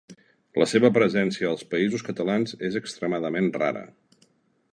La seva presència als Països Catalans és extremadament rara.